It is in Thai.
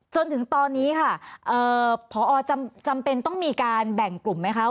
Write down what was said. จนถึงตอนนี้ค่ะพอจำเป็นต้องมีการแบ่งกลุ่มไหมคะ